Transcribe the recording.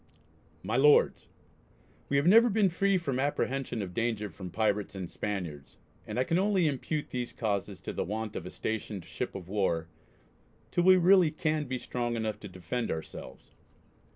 MY LORDS, We have never been free from apprehension of danger from Pirates and Spaniards, and I can only impute these causes to the want of a stationed ship of war, till we really can be strong enough to defend ourselves....